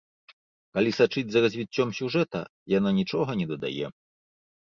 Калі сачыць за развіццём сюжэта, яна нічога не дадае.